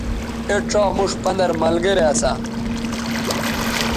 اے ڇا موش پندَر ملگرے اسا